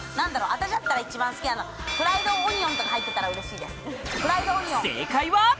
私だったら一番好きなのフライドオニオンとか入ってたらうれしい。